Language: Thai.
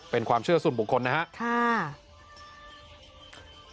เป็นความเชื่อส่วนบุคคลนะครับ